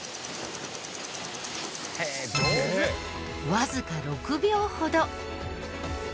わずか６秒ほど。